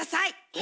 え？